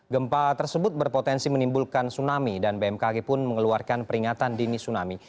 gempa tersebut berpotensi menimbulkan tsunami dan bmkg pun mengeluarkan peringatan dini tsunami